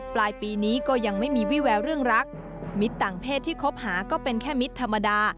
ปลายปีนี้ก็ยังไม่มีวิแววเรื่องรักมิตรต่างเพศที่คบหาก็เป็นแค่มิตรธรรมดา